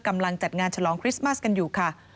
จัดงานฉลองคริสต์มัสกันอยู่ค่ะ